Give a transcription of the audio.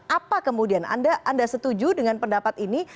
apa kemudian anda setuju dengan pendapat ini